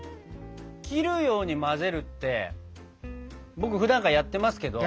「切るように混ぜる」って僕ふだんからやってますけど。